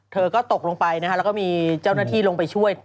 เธอก็ตกลงไปนะคะแล้วก็มีเจ้าหน้าที่ลงไปช่วย